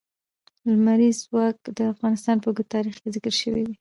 لمریز ځواک د افغانستان په اوږده تاریخ کې ذکر شوی دی.